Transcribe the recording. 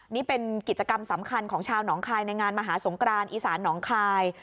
นี่เป็นกิจกรรมสำคัญของชาวหนองคายในงานมหาสงกรานอีสานหนองคาย